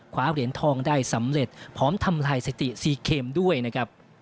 เหรียญทองได้สำเร็จพร้อมทำลายสถิติซีเคมด้วยนะครับ